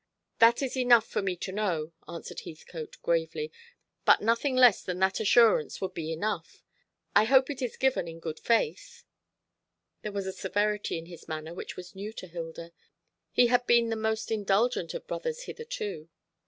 "That is enough for me to know," answered Heathcote gravely, "but nothing less than that assurance would be enough. I hope it is given in good faith?" There was a severity in his manner which was new to Hilda. He had been the most indulgent of brothers hitherto.